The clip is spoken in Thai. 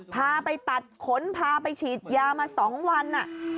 พาไปตัดขนพาไปฉีดยามา๒วัน